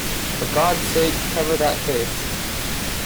For Gawd's sake, cover that face!